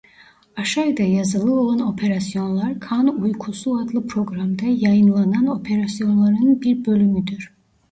Aşağıda yazılı olan operasyonlar Kan Uykusu adlı programda yayınlanan operasyonların bir bölümüdür.